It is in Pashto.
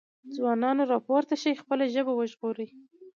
ځوانانو راپورته شئ خپله ژبه وژغورئ۔